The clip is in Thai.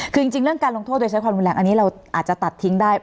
คือจริงเรื่องการลงโทษโดยใช้ความรุนแรงอันนี้เราอาจจะตัดทิ้งได้